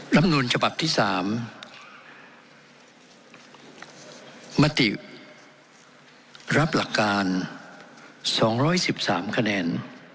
รำนวลฉบับที่สามมติรับหลักการสองร้อยสิบสามคะแนน